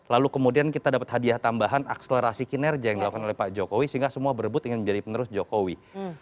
lalu kemudian kita dapat hadiah tambahan akselerasi kinerja yang dilakukan oleh pak jokowi sehingga semua berebut ingin menjadi penerus jokowi